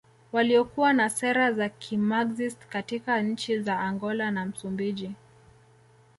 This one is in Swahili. Waliokuwa na sera za kimaxist katika nchi za Angola na Msumbiji